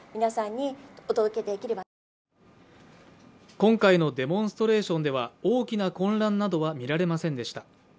今回のデモンストレーションでは、大きな混乱などは見られませんでした。